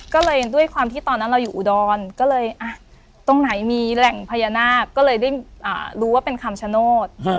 ก็เลยด้วยความที่ตอนนั้นเราอยู่อุดรก็เลยอ่ะตรงไหนมีแหล่งพญานาคก็เลยได้รู้ว่าเป็นคำชโนธ